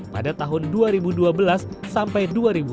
pada tahun dua ribu dua belas sampai dua ribu dua puluh